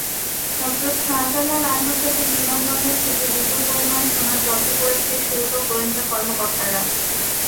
হজরত শাহজালাল আন্তর্জাতিক বিমানবন্দর থেকে বিপুল পরিমাণ সোনা জব্দ করেছে শুল্ক গোয়েন্দা কর্মকর্তারা।